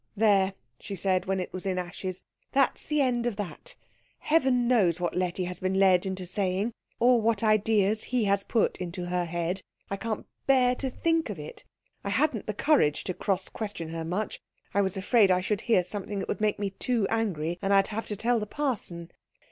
"There," she said, when it was in ashes, "that's the end of that. Heaven knows what Letty has been led into saying, or what ideas he has put into her head. I can't bear to think of it. I hadn't the courage to cross question her much I was afraid I should hear something that would make me too angry, and I'd have to tell the parson.